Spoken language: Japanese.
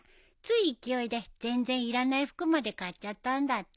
つい勢いで全然いらない服まで買っちゃったんだって。